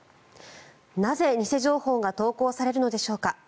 なぜ、偽情報が投稿されるのでしょうか。